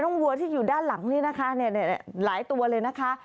พวกวัวที่อยู่ด้านหลังนี่นะคะเนี้ยเนี้ยหลายตัวเลยนะคะ